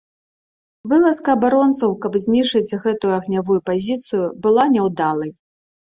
Вылазка абаронцаў, каб знішчыць гэту агнявую пазіцыю, была няўдалай.